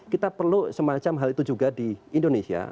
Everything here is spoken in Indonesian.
kita perlu semacam hal itu juga di indonesia